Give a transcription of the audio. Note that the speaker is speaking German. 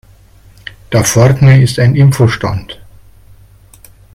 Da vorne ist ein Info-Stand.